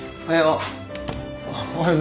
おはよう。